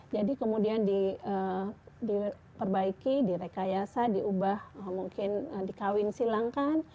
jadi kemudian diperbaiki direkayasa diubah mungkin dikawinsilangkan